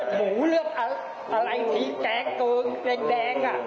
เลือดหมูเลือดอะไรที่แดงตัวแดงอ่ะ